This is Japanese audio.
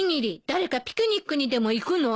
誰かピクニックにでも行くの？